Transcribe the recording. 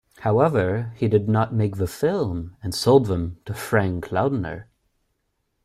However he did not make the film and sold them to Frank Laundner.